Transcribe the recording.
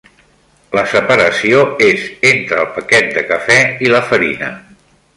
La separació és entre el paquet de cafè i la farina.